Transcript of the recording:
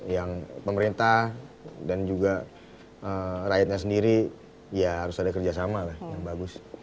yang pemerintah dan juga rakyatnya sendiri ya harus ada kerjasama lah yang bagus